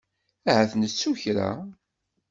Ahat nettu kra?